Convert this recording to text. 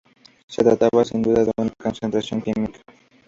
Se trataba sin duda de una castración química.